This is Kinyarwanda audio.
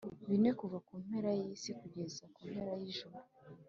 bine kuva ku mpera y isi kugeza ku mpera y ijuru